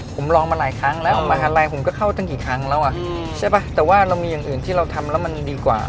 ผมลองมาหลายครั้งแล้วออกมหาลัยผมก็เข้าตั้งกี่ครั้งแล้วอ่ะใช่ป่ะแต่ว่าเรามีอย่างอื่นที่เราทำแล้วมันดีกว่า